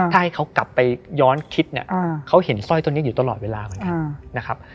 ถ้าให้เขากลับไปย้อนคิดเนี่ยเขาเห็นสร้อยตัวนี้อยู่ตลอดเวลาเหมือนกันนะครับ